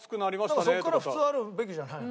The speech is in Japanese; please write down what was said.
そこから普通あるべきじゃないの？